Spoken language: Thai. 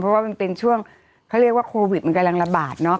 เพราะว่ามันเป็นช่วงเขาเรียกว่าโควิดมันกำลังระบาดเนอะ